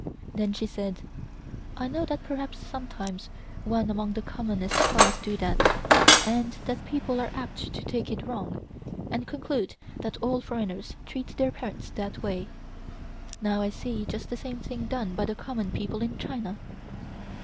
Then she said: "I know that perhaps sometimes one among the commonest class do that, and that people are apt to take it wrong, and conclude that all foreigners treat their parents that way. Now I see just the same thing done by the common people in China."